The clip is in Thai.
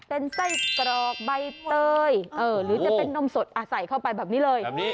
เป็นไส้กรอกใบเตยหรือจะเป็นนมสดใส่เข้าไปแบบนี้เลย